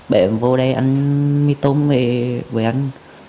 bé em vô đây ăn mì tôm với anh